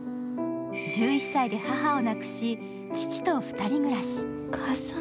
１１歳で母を亡くし、父と２人暮らし。